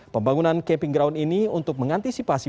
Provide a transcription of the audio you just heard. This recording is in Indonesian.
pembangunan caping ground ini untuk mengantisipasi